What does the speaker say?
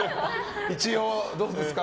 一応、どうですか？